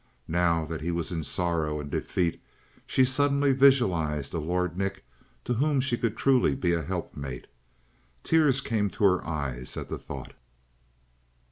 Now that he was in sorrow and defeat she suddenly visualized a Lord Nick to whom she could truly be a helpmate. Tears came to her eyes at the thought.